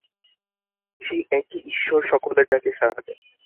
সেই একই ঈশ্বর সকলের ডাকে সারা দেন।